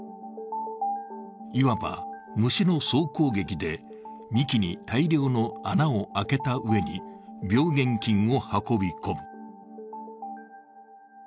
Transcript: いわば虫の総攻撃で、幹に大量の穴を開けたうえで病原菌を運び込む。